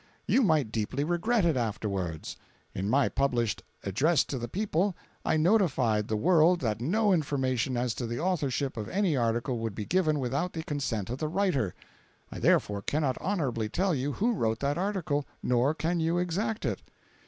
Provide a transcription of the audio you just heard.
You might deeply regret it afterwards. In my published Address to the People, I notified the world that no information as to the authorship of any article would be given without the consent of the writer. I therefore cannot honorably tell you who wrote that article, nor can you exact it."